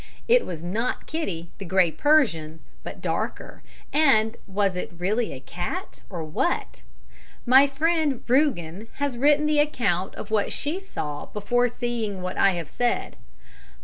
It was not Kitty, the grey Persian, but darker, and was it really a cat, or what? My friend "Rügen" has written the account of what she saw before seeing what I have said.